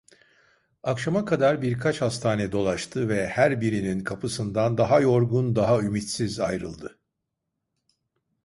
Akşama kadar birkaç hastane dolaştı ve her birinin kapısından daha yorgun, daha ümitsiz ayrıldı.